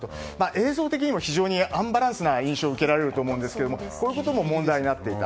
映像的にも非常にアンバランスな印象を受けられると思うんですがこういうことも問題になっていた。